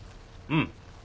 うん。